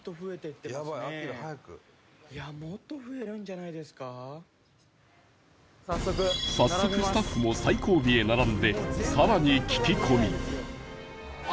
じゃあ早速スタッフも最後尾へ並んで更に聞き込み